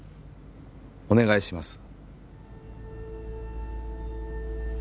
お願いします